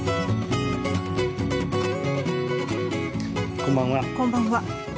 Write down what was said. こんばんは。